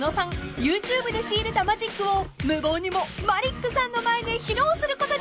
ＹｏｕＴｕｂｅで仕入れたマジックを無謀にもマリックさんの前で披露することに］